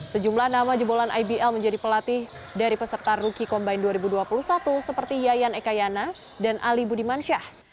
sejumlah nama jebolan ibl menjadi pelatih dari peserta rookie combine dua ribu dua puluh satu seperti yayan ekayana dan ali budimansyah